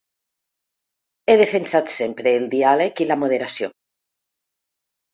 He defensat sempre el diàleg i la moderació.